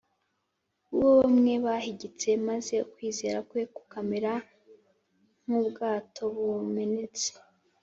Uwo bamwe bahigitse maze ukwizera kwe kukamera nk’ ubwato bumenetse